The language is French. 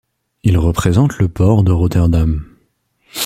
Il représente le port de Rotterdam.